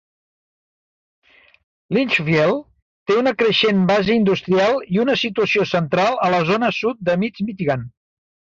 Litchfield té una creixent base industrial i una situació central a la zona sud de Mid-Michigan.